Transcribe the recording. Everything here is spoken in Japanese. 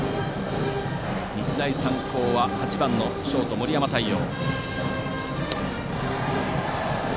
日大三高のバッターは８番のショート、森山太陽。